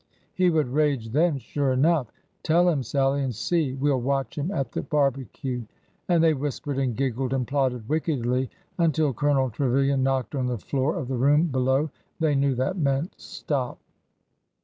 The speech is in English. He would rage then, sure enough !" Tell him, Sallie, and see. We 'll watch him at the Darbecue." And they whispered and giggled and plotted wickedly until Colonel Trevilian knocked on the floor of the room below. They knew that meant stop.